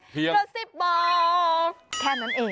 กระซิบบอกแค่นั้นเอง